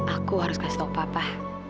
aku harus kasih tau papa